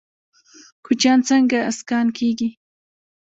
کوچیان څنګه اسکان کیږي؟